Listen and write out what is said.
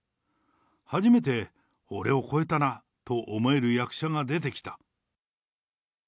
初めて俺を超えたなと思える役者が出てきた。